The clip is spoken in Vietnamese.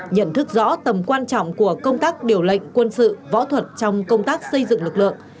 nhận thức rõ tầm quan trọng của công tác điều lệnh quân sự võ thuật trong công tác xây dựng lực lượng